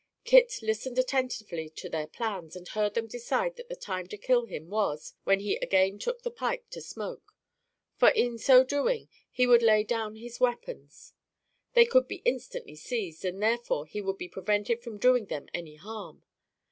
Kit listened attentively to their plans and heard them decide that the time to kill him was, when he again took the pipe to smoke; for, in so doing, he would lay down his weapons. They could be instantly seized, and therefore he would be prevented from doing them any harm.